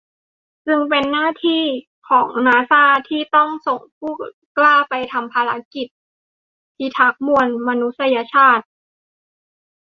จึงเป็นหน้าที่ของนาซาที่ต้องส่งผู้กล้าไปทำภารกิจพิทักษ์มวลมนุษยชาติ